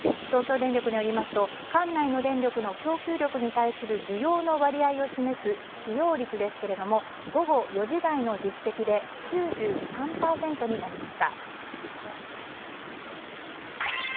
東京電力によりますと管内の電力の供給力に対する需要の割合を示す使用率ですが午後４時台の実績で９３％になりました。